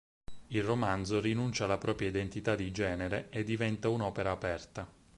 Il romanzo rinuncia alla propria "identità di genere" e diventa un'opera aperta.